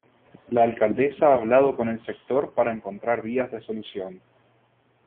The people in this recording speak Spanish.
La alcaldesa ha hablado con el sector para encontrar vías de solución.